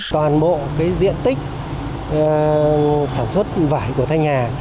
toàn bộ cái diện tích sản xuất vải của thanh hà